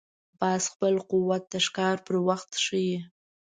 باز خپل قوت د ښکار پر وخت ښيي